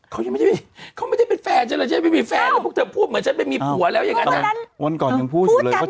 เขามันเวทยังไม่เห็นแฟนจ้ะเลย